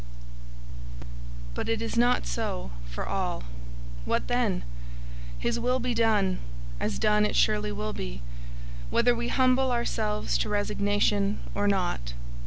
But it is not so for all. What then? His will be done, as done it surely will be, whether we humble ourselves to resignation or not.